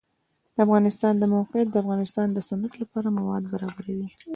د افغانستان د موقعیت د افغانستان د صنعت لپاره مواد برابروي.